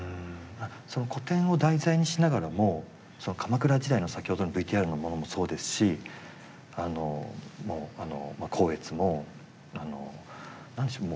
古典を題材にしながらも鎌倉時代の先ほどのＶＴＲのものもそうですしあのもう光悦もあの何でしょう